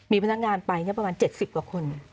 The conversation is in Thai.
มีพนักงานไปประมาณ๗๐กว่าคน